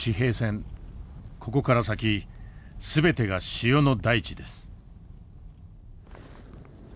ここから先全てが塩の大地です。